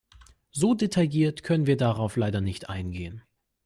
So detailliert können wir darauf leider nicht eingehen.